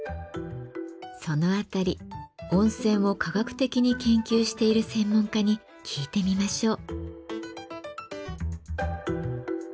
その辺り温泉を科学的に研究している専門家に聞いてみましょう。